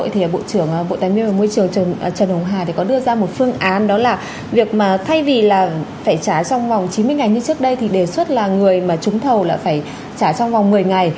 thì bộ trưởng bộ tài nguyên và môi trường trần hồng hà có đưa ra một phương án đó là việc mà thay vì là phải trả trong vòng chín mươi ngày như trước đây thì đề xuất là người mà trúng thầu là phải trả trong vòng một mươi ngày